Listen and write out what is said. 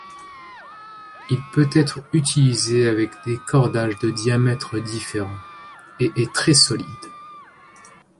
Il peut être utilisé avec des cordages de diamètres différents, et est très solide.